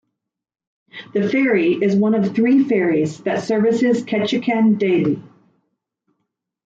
The ferry is one of three ferries that services Ketchikan daily.